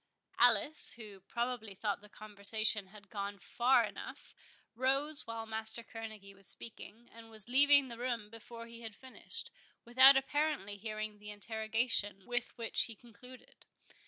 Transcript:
Alice, who probably thought the conversation had gone far enough, rose while Master Kerneguy was speaking, and was leaving the room before he had finished, without apparently hearing the interrogation with which he concluded.